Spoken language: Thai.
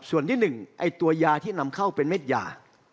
ส่วนที่๑ไอ้ตัวยาที่นำเข้าเป็นเม็ดยา